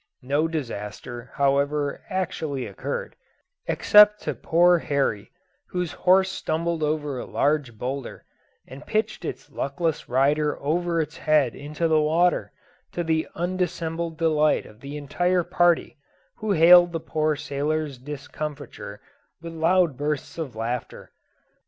No disaster, however, actually occurred, except to poor Horry, whose horse stumbled over a large boulder, and pitched its luckless rider over its head into the water, to the undissembled delight of the entire party, who hailed the poor sailor's discomfiture with loud bursts of laughter.